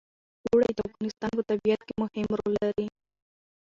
اوړي د افغانستان په طبیعت کې مهم رول لري.